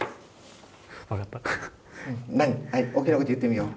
はい大きな声で言ってみよう。